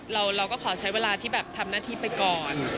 เราก็ขอใช้เวลาที่แบบทำหน้าที่ไปก่อน